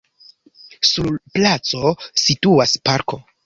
Sur la placo situas parko.